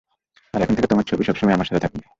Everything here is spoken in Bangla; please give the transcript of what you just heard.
আর এখন থেকে তোমার ছবি সবসময় আমার সাথে থাকবে।